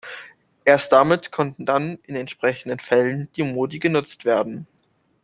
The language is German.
Erst damit konnten dann in entsprechenden Fällen die Modi genutzt werden.